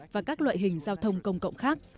và các loại hình giao thông công cộng khác